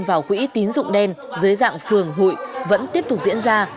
vào quỹ tín dụng đen dưới dạng phường hụi vẫn tiếp tục diễn ra